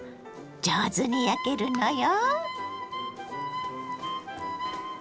上手に焼けるのよ。